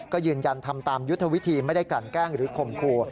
ก็ยืนยันทำตามยุทธวิธีไม่ได้กลั่นแกล้งหรือข่มขู่